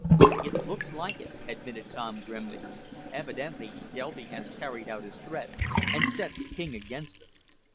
"It looks like it," admitted Tom grimly. "Evidently Delby has carried out his threat and set the king against us.